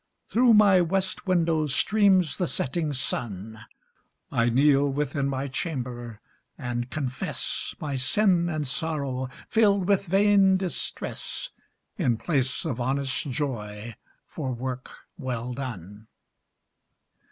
Through my west window streams the setting sun. I kneel within my chamber, and confess My sin and sorrow, filled with vain distress, In place of honest joy for work well done.